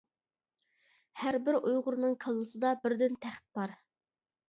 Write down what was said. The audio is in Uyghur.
ھەربىر ئۇيغۇرنىڭ كاللىسىدا بىردىن تەخت بار.